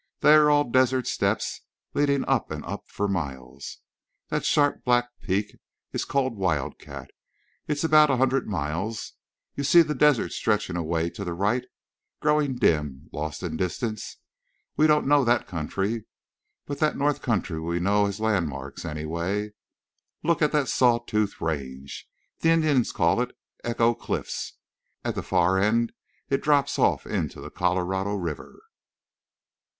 They are all desert steps leading up and up for miles. That sharp black peak is called Wildcat. It's about a hundred miles. You see the desert stretching away to the right, growing dim—lost in distance? We don't know that country. But that north country we know as landmarks, anyway. Look at that saw tooth range. The Indians call it Echo Cliffs. At the far end it drops off into the Colorado River.